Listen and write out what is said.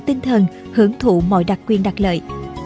tinh thần hưởng thụ mọi đặc quyền đặc lợi